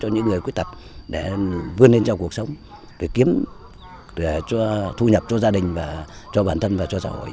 những người khuyết tật để vươn lên trong cuộc sống để kiếm để cho thu nhập cho gia đình và cho bản thân và cho xã hội